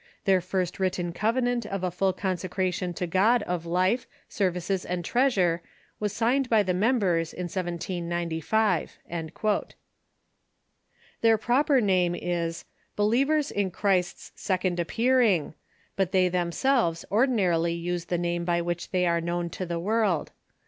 Their first Avritten covenant of a full consecration to God of life, services, and treasure was signed by the members in 1795." Their proper name is "Believers in Christ's Second Appear ing," but they themselves ordinarily use the name by which they are known to the world.